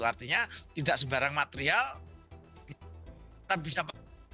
artinya tidak sembarang material kita bisa